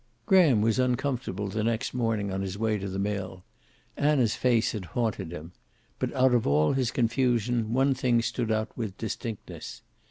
Graham was uncomfortable the next morning on his way to the mill. Anna's face had haunted him. But out of all his confusion one thing stood out with distinctness.